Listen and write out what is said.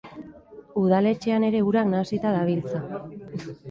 Udaletxean ere urak nahasita dabiltza.